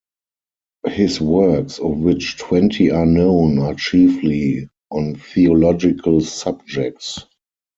His works, of which twenty are known, are chiefly on theological subjects.